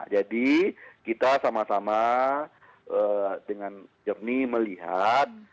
jadi kita sama sama dengan jepni melihat